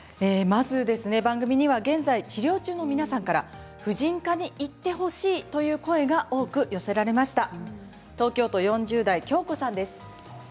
まず番組には、現在治療中の皆さんから婦人科に行ってほしいという声が多く寄せられました。